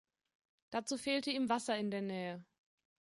Dazu fehlte ihm Wasser in der Nähe.